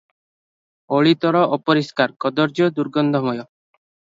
ଓଳିତଳ ଅପରିଷ୍କାର, କଦର୍ଯ୍ୟ, ଦୁର୍ଗନ୍ଧମୟ ।